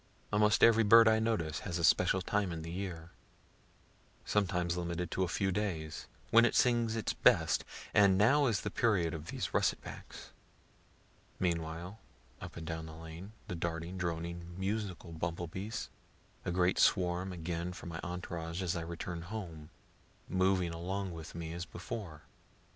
Almost every bird I notice has a special time in the year sometimes limited to a few days when it sings its best; and now is the period of these russet backs. Meanwhile, up and down the lane, the darting, droning, musical bumble bees. A great swarm again for my entourage as I return home, moving along with me as before.